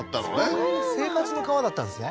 そういう生活の川だったんですね